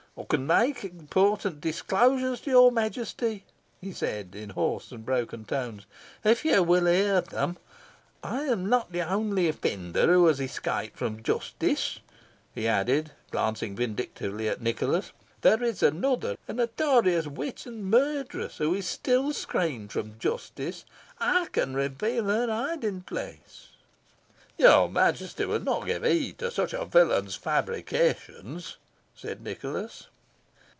"I can make important disclosures to your Majesty," he said, in hoarse and broken tones, "if you will hear them. I am not the only offender who has escaped from justice," he added, glancing vindictively at Nicholas "there is another, a notorious witch and murderess, who is still screened from justice. I can reveal her hiding place." "Your Majesty will not give heed to such a villain's fabrications?" said Nicholas.